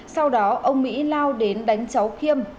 sau đó ông mỹ lao đến đánh cháu khiêm